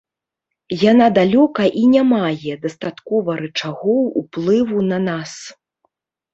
Яна далёка і не мае дастаткова рычагоў уплыву на нас.